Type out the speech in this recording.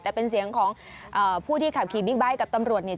แต่เป็นเสียงของผู้ที่ขับขี่บิ๊กไบท์กับตำรวจเนี่ย